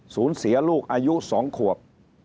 สูญเสียลูกอายุ๒ขวบ